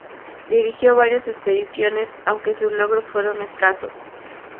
Dirigió varias expediciones, aunque sus logros fueron escasos.